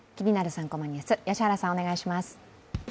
３コマニュース」、良原さん、お願いします。